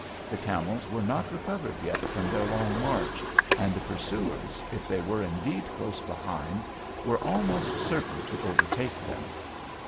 The camels were not recovered yet from their long march, and the pursuers, if they were indeed close behind, were almost certain to overtake them.